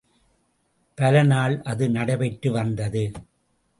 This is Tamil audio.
பல நாள் அது நடை பெற்று வந்தது.